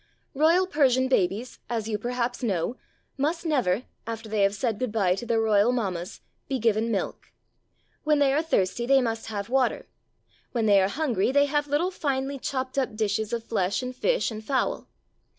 Royal Persian babies, as you perhaps know, must never, after they have said good bye to their royal mammas, be given milk. When they are thirsty they must have water; when they are hungry they have little finely chopped up dishes of flesh and fish and fowl.